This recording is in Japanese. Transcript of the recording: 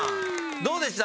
どうでした？